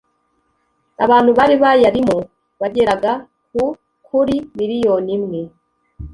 abantu bari bayarimo bageraga ku kuri miliyoni imwe